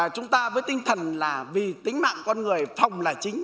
chúng ta với tinh thần là vì tính mạng con người phòng là chính